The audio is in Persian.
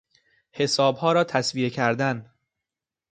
حسابها را تسویه کردن